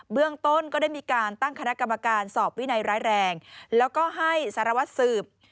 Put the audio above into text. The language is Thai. เรื่องต้นก็ได้มีการตั้งคณะกรรมการสอบวินัยร้ายแรงแล้วก็ให้สารวัตรสืบ